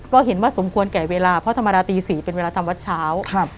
ก็เห็นว่าสมควรแก่เวลาเพราะธรรมดาตี๔เป็นเวลาทำวัดเช้า